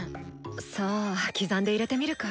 さぁ刻んで入れてみるか。